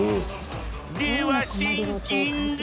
ではシンキング！